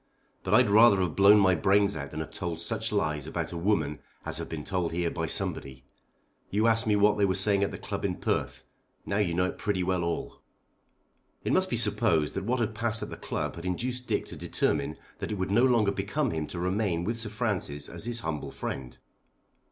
But I'd rather have blown my brains out than have told such lies about a woman as have been told here by somebody. You ask me what they were saying at the club in Perth. Now you know it pretty well all." It must be supposed that what had passed at the club had induced Dick to determine that it would no longer become him to remain with Sir Francis as his humble friend.